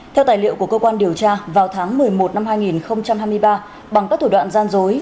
theo tài liệu của cơ quan điều tra vào tháng một mươi một năm hai nghìn hai mươi ba bằng các thủ đoạn gian dối